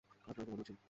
আপনার ঘুমানো উচিৎ।